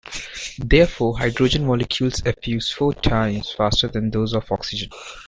Therefore, hydrogen molecules effuse four times faster than those of oxygen.